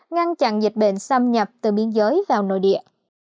ngăn chặn dịch bệnh xâm nhập từ biên giới vào nội địa